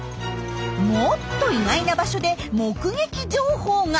もっと意外な場所で目撃情報が！